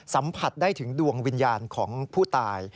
สัมผัสได้ถึงดวงวิญญาณของผู้ตาย